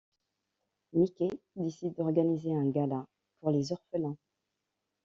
Mickey décide d'organiser un gala pour les orphelins.